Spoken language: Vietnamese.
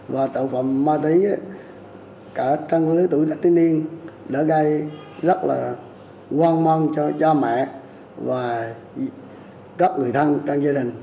và tạo phạm ma túy cả trang hứa tuổi trẻ trẻ niên đã gây rất là quan mong cho cha mẹ và các người thân trong gia đình